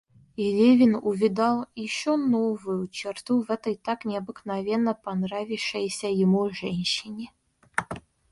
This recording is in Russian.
И Левин увидал еще новую черту в этой так необыкновенно понравившейся ему женщине.